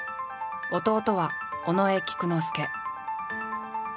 弟は尾上菊之助。